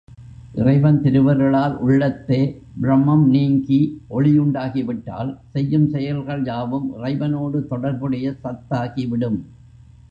இறைவன் திருவருளால் உள்ளத்தே ப்ரமம் நீங்கி ஒளி உண்டாகிவிட்டால் செய்யும் செயல்கள் யாவும் இறைவனோடு தொடர்புடைய சத்தாகிவிடும்.